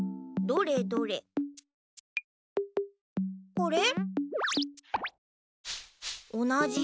どれどれ。